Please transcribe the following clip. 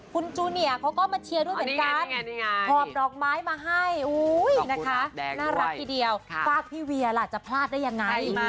คุณจูเนียเขาก็มาเชียร์ด้วยเหมือนกันหอบดอกไม้มาให้นะคะน่ารักทีเดียวฝากพี่เวียล่ะจะพลาดได้ยังไง